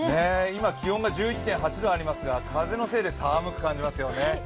今、気温が１１．８度ありますが風のせいで肌寒く感じますよね。